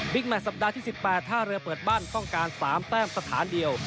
แมทสัปดาห์ที่๑๘ท่าเรือเปิดบ้านต้องการ๓แต้มสถานเดียว